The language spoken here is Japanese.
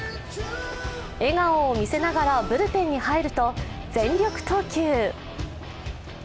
笑顔を見せながらブルペンに入ると、全力投球。